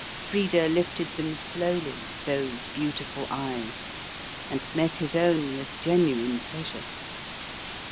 Frida lifted them slowly, those beautiful eyes, and met his own with genuine pleasure.